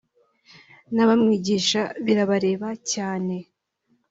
n’abamwigisha birabareba cyane